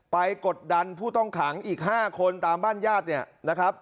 กดดันผู้ต้องขังอีก๕คนตามบ้านญาติเนี่ยนะครับ